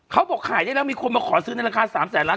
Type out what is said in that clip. เขาบอกขายได้แล้วมีคนมาขอซื้อในราคา๓แสนล้าน